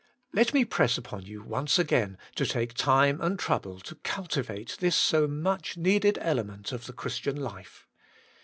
Let me press upon you once again to take time and trouble to cultivate this so much needed element of the Christian life.